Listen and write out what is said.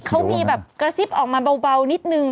เขามีแบบกระซิบออกมาเบานิดนึง